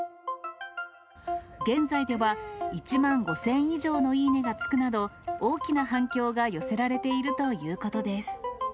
現在では１万５０００以上のいいねがつくなど、大きな反響が寄せられているということです。